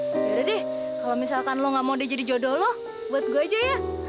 udah deh kalau misalkan lo gak mau dia jadi jodoh lo buat gue aja ya